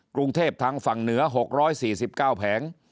กรุงเทพทางฝั่งเหนือ๖๔๙แผง